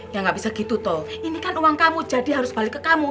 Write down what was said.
ya gak bisa gitu toh ini kan uang kamu jadi harus balik ke kamu